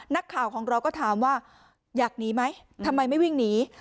นักข่าวของเราก็ถามว่าอยากหนีไหมทำไมไม่วิ่งหนี